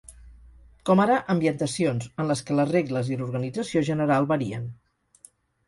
Com ara ambientacions, en les que les regles i l'organització general varien.